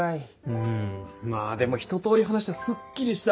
うんまぁでも一通り話したらすっきりした。